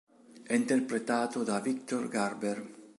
È interpretato da Victor Garber.